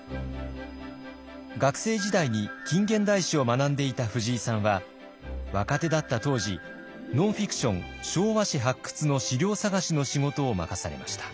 学生時代に近現代史を学んでいた藤井さんは若手だった当時ノンフィクション「昭和史発掘」の資料探しの仕事を任されました。